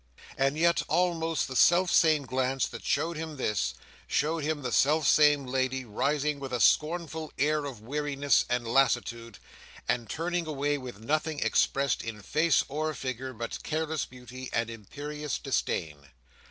And yet almost the self same glance that showed him this, showed him the self same lady rising with a scornful air of weariness and lassitude, and turning away with nothing expressed in face or figure but careless beauty and imperious disdain.